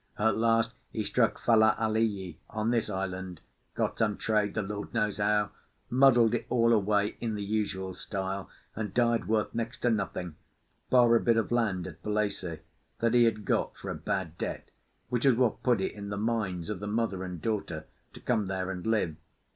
At last he struck Fale alii on this island, got some trade—the Lord knows how!—muddled it all away in the usual style, and died worth next to nothing, bar a bit of land at Falesá that he had got for a bad debt, which was what put it in the minds of the mother and daughter to come there and live.